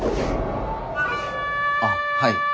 あっはい。